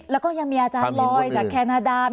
แล้วก็ยังมีอาจารย์ลอยจากแคนาดาม